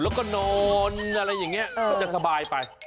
แล้วก็นอนอะไรอย่างนี้มันจะสบายไป